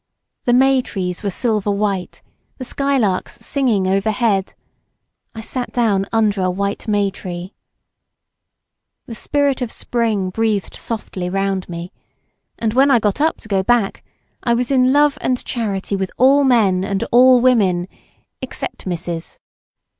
The may trees were silver white, the skylarks singing overhead; I sat down under a white may tree. The spirit of the spring breathed softly round me, and when I got up to go back I was in love and charity with all men and all women except Mrs. ——